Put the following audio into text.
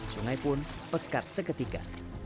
sungai pun pekat seketika